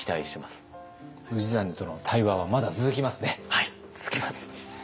はい続きます。